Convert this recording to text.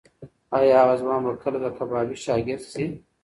ایا هغه ځوان به کله د کبابي شاګرد شي؟